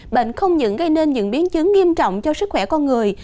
bệnh không những gây nên những biến chứng nghiêm trọng cho sức khỏe con người